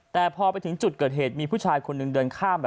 แต่พอไปถึงจุดเกิดเหตุมีผู้ชายคนหนึ่งเดินข้าม